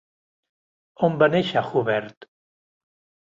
On va néixer Hubert?